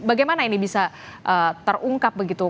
bagaimana ini bisa terungkap begitu